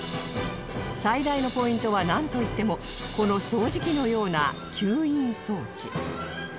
最大のポイントはなんといってもこの掃除機のような吸引装置